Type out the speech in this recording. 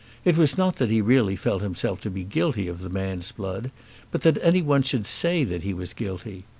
It was not that he really felt himself to be guilty of the man's blood, but that any one should say that he was guilty.